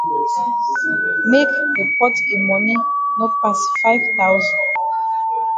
Make the pot yi moni no pass five thousand.